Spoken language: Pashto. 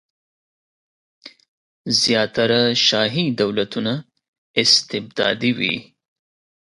زیاتره شاهي دولتونه استبدادي وي.